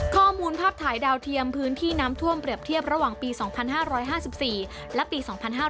ข้อมูลภาพถ่ายดาวเทียมพื้นที่น้ำท่วมเปรียบเทียบระหว่างปี๒๕๕๔และปี๒๕๕๙